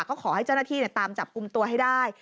ก็ขอให้เจ้าหน้าที่ตามจับกลุ่มตัวให้ได้